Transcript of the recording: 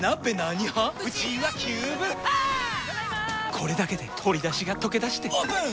これだけで鶏だしがとけだしてオープン！